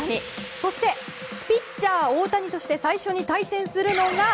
そしてピッチャー大谷として最初に対戦するのが。